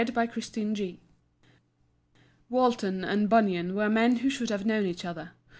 Walton and Bunyan were men who should have known each other.